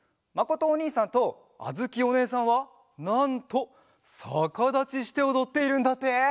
まことおにいさんとあづきおねえさんはなんとさかだちしておどっているんだって！